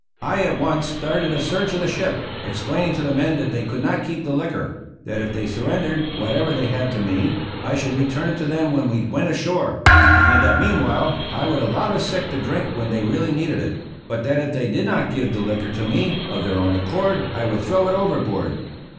I at once started a search of the ship, explaining to the men that they could not keep the liquor; that if they surrendered whatever they had to me I should return it to them when we went ashore; and that meanwhile I would allow the sick to drink when they really needed it; but that if they did not give the liquor to me of their own accord I would throw it overboard.